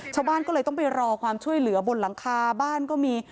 ชาวบ้านก็เลยต้องไปรอความช่วยเหลือบนหลังคาบ้านก็มี